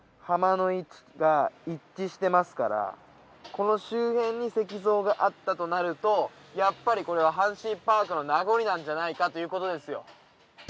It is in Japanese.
浜の位置が一致してますからこの周辺に石像があったとなるとやっぱりこれは阪神パークの名残なんじゃないかということですよ